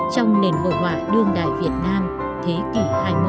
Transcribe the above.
trong nền hồ họa đương đại việt nam thế kỷ hai mươi một